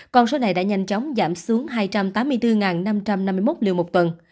con số này đã nhanh chóng giảm xuống hai trăm tám mươi bốn năm trăm năm mươi một liều một tuần